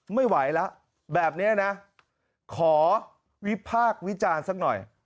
ไม่ไหวแล้วแบบนี้นะขอวิพากษ์วิจารณ์สักหน่อย